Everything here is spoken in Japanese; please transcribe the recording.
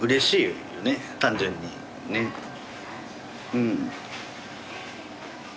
うん。